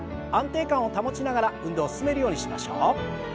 安定感を保ちながら運動を進めるようにしましょう。